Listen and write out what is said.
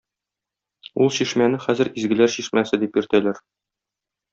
Ул чишмәне хәзер Изгеләр чишмәсе дип йөртәләр.